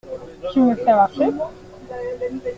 Tu me fais marcher?